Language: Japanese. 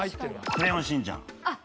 『クレヨンしんちゃん』！